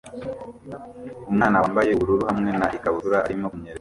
Umwana wambaye ubururu hamwe na ikabutura arimo kunyerera